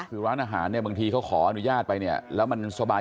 คือร้านอาหารเนี่ยบางทีเขาขออนุญาตไปเนี่ยแล้วมันสบาย